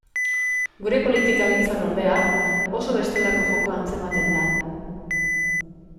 Gure politikagintzan, ordea, oso bestelako jokoa antzematen da.